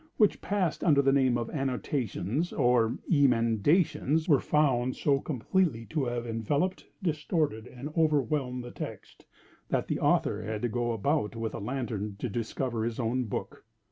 which passed under the name of annotations, or emendations, were found so completely to have enveloped, distorted, and overwhelmed the text, that the author had to go about with a lantern to discover his own book.